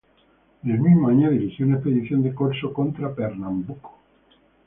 En el mismo año dirigió una expedición de corso contra Pernambuco.